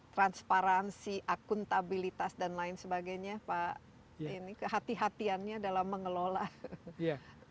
transparansi akuntabilitas dan lain sebagainya pak ini ke hati hatiannya dalam mengelola ya